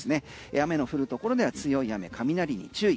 雨の降るところでは強い雨雷に注意。